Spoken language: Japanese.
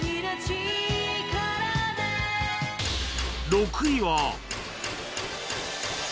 ６位は